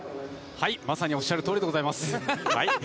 まさにおっしゃるとおりでございます。